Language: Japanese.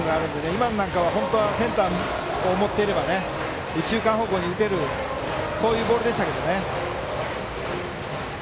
今のは本当はセンターを向いていれば右中間方向に打てるボールでしたけどね。